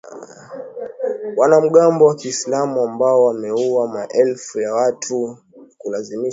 Wanamgambo wa kiislamu ambao wameua maelfu ya watu na kuwalazimisha zaidi ya watu milioni mbili kukimbia nyumba zao katika Saheli.